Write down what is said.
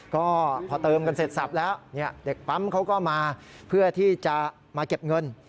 ก็พอเติมกันเสร็จสับแล้วเด็กปั๊มเขาก็มาเพื่อที่จะมาเก็บเงิน